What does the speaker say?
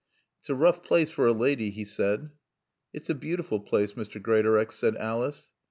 "It's a roough plaace fer a laady," he said. "It's a beautiful place, Mr. Greatorex," said Alice.